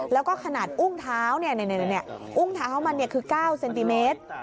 แล้วก็ขนาดอุ้งเท้าอุ้งเท้ามันคือ๙เซนติเมตร